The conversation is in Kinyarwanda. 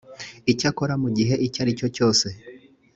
icyakora mu gihe icyo ari cyo cyose